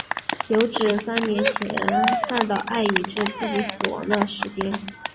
有指三年前饭岛爱已知自己的死亡时间。